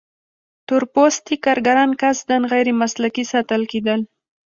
تور پوستي کارګران قصداً غیر مسلکي ساتل کېدل.